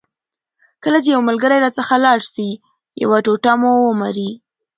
کله چي یو ملګری راڅخه لاړ سي یو ټوټه مو ومري.